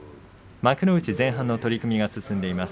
幕内前半の取組が進んでいます。